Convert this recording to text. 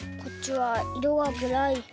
こっちはいろがくらい。